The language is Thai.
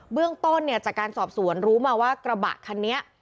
เรื่องต้นเนี่ยจากการสอบสวนรู้มาว่ากระบะคันนี้